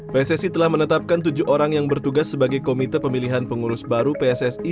pssi telah menetapkan tujuh orang yang bertugas sebagai komite pemilihan pengurus baru pssi